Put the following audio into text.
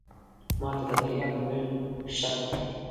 ماته د بريا لومړې شرط دی.